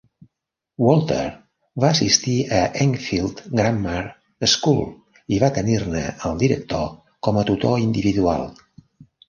Walter va assistir a l'Enfield Grammar School i va tenir-ne el director com a tutor individual.